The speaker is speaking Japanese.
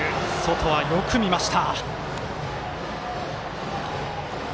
外、よく見ました！